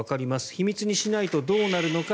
秘密にしないとどうなるのか。